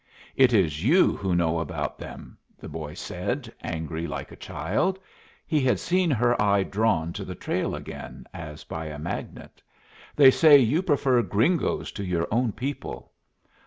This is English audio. "It is you who know about them," the boy said, angry like a child. He had seen her eye drawn to the trail again as by a magnet. "They say you prefer gringos to your own people."